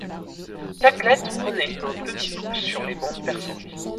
Chaque lettre prenait un demi-pouce sur les bandes perforées.